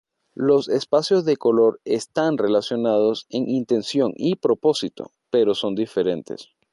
Los espacios de color están relacionados en intención y propósito, pero son diferentes.